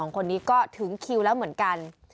คนนี้ก็ถึงคิวแล้วเหมือนกัน